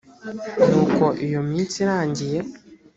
nuko iyo minsi irangiye